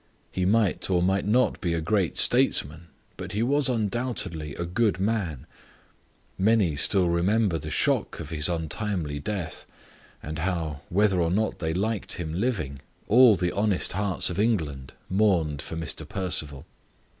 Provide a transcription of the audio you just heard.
He might or might not be a great statesman, but he was undoubtedly a good man; many still remember the shock of his untimely death, and how, whether or not they liked him living, all the honest hearts of England mourned for Mr. Perceval.